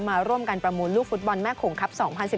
มาร่วมกันประมูลลูกฟุตบอลแม่โขงครับ๒๐๑๙